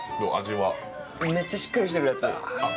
めっちゃしっかりしてるやつ。